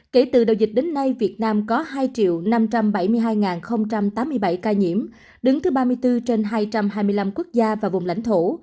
kể từ đầu dịch đến nay việt nam có hai năm trăm bảy mươi hai tám mươi bảy ca nhiễm đứng thứ ba mươi bốn trên hai trăm hai mươi năm quốc gia và vùng lãnh thổ